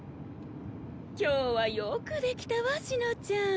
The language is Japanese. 今日はよくできたわ紫乃ちゃん。